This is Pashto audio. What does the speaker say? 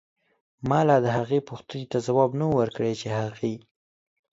مالا دهغې دپو ښتنې ته ځواب نه و ورکړی چې هغې